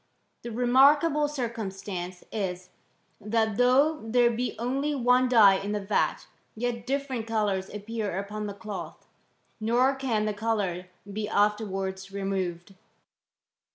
The remarkable circumstance is, thai though there be only one dye in the vat, yet dif ferent colours appear upon the cloth ; nor can the colour be afterwards removed."